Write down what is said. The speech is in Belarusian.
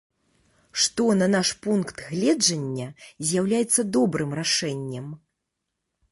Што, на наш пункт гледжання, з'яўляецца добрым рашэннем.